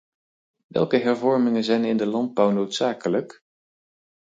Welke hervormingen zijn in de landbouw noodzakelijk?